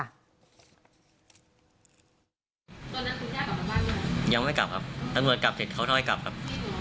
ตอนนั้นคุณย่ากลับบ้านไหมยังไม่กลับครับตำรวจกลับเสร็จเขาถ้อยกลับครับ